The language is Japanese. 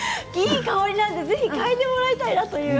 いい香りなので嗅いでもらいたいなと。